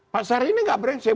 pasar ini enggak berengsek